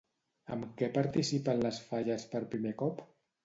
Amb què participa en les Falles per primer cop?